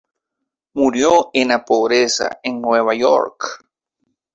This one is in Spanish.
Murió en la pobreza en Nueva York.